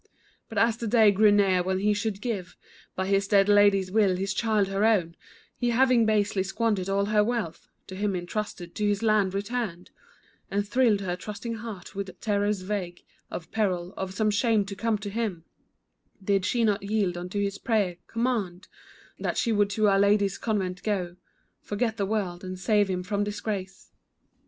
But as the day drew near when he should give, By his dead lady's will, his child her own, He having basely squandered all her wealth To him intrusted, to his land returned, And thrilled her trusting heart with terrors vague, Of peril, of some shame to come to him, Did she not yield unto his prayer command, That she would to Our Lady's convent go, Forget the world and save him from disgrace.